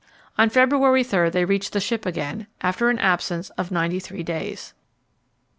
On February 3 they reached the ship again, after an absence of ninety three days.